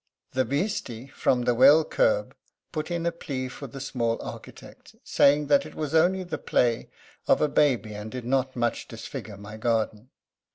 The water man from the well curb put in a plea for the small architect, saying that it was only the play of a baby and did not much disfigure my garden.